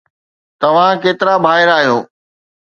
توهان ڪيترا ڀائر آهيو